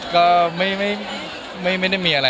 คุณค่ะ